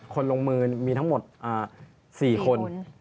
คนลงมือมีทั้งหมด๔คน